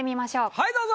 はいどうぞ。